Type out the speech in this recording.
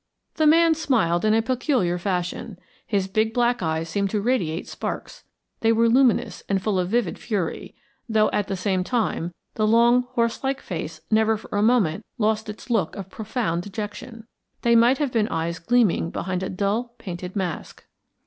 The man smiled in a peculiar fashion. His big black eyes seemed to radiate sparks; they were luminous and full of vivid fury, though, at the same time, the long horse like face never for a moment lost its look of profound dejection. They might have been eyes gleaming behind a dull, painted mask.